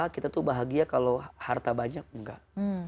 kita tuh bahagia kalau harta banyak enggak